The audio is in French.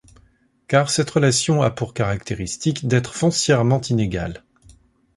Car cette relation a pour caractéristique d’être foncièrement inégale.